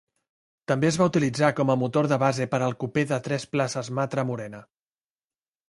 També es va utilitzar com a motor de base per al cupè de tres places Matra Murena.